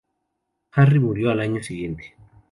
Harry murió al año siguiente.